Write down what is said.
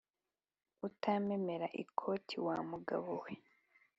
utamemera ikoti wa mugabowe